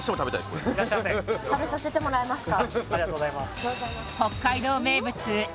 これ食べさせてもらえますか？